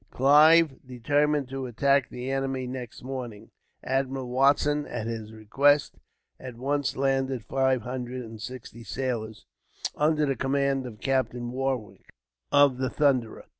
Clive determined to attack the enemy, next morning. Admiral Watson, at his request, at once landed five hundred and sixty sailors, under the command of Captain Warwick of the Thunderer.